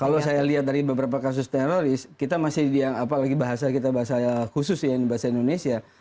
kalau saya lihat dari beberapa kasus teroris kita masih yang apalagi bahasa kita bahasa khusus ya bahasa indonesia